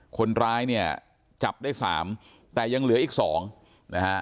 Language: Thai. คนร้ายเนี่ยจับได้สามแต่ยังเหลืออีก๒นะฮะ